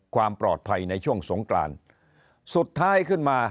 ความปลอดภัยในช่วงสงกรานสุดท้ายขึ้นมา